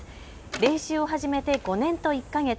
練習を始めて５年と１か月。